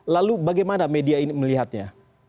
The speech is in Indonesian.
lalu bagaimana media ini melihatnya